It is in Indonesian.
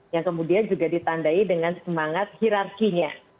yang kemudian juga ditandai dengan semangat hirarkinya